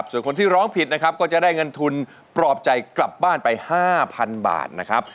ส่วนคนที่ร้องผิดนะครับก็จะได้เงินทุนปลอบใจกลับบ้านไป๕๐๐๐บาทนะครับ